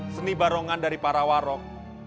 seni barongan dari para warok